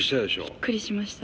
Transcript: びっくりしました。